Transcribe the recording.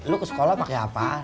lu ke sekolah pakai apa